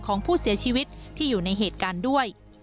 ของผู้เสียชีวิตที่อยู่ในเหตุการณ์ด้วย